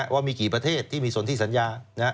ว่ามีกี่ประเทศที่มีส่วนที่สัญญา